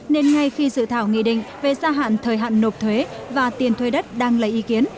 nên ngay khi dự thảo nghị định về gia hạn thời hạn nộp thuế và tiền thuê đất đang lấy ý kiến